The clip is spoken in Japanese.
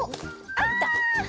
あ！いった！